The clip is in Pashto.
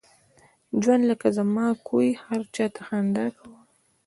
ژوند لکه زما کوه ، هر چاته خنده کوه!